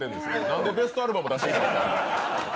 何でベストアルバム出してきたんですか